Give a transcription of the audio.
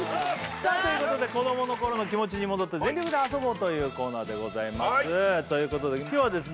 さあということで子供の頃の気持ちに戻って全力で遊ぼうというコーナーでございますということで今日はですね